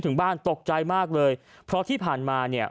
ถึงบ้านตกใจมากเลยเพราะที่ผ่านมาเนี่ย